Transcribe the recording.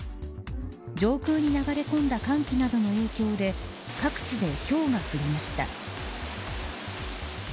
上空に流れ込んだ寒気などの影響で各地で、ひょうが降りました。